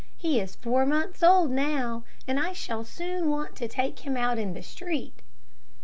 He is four months old now, and I shall soon want to take him out in the street."